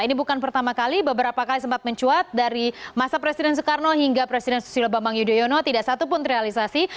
ini bukan pertama kali beberapa kali sempat mencuat dari masa presiden soekarno hingga presiden susilo bambang yudhoyono tidak satupun terrealisasi